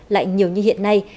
lại nhiều như hiện nay